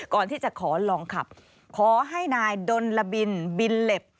ก่อนที่จะขอลองขับขอให้นายดนละบินบินเหล็บ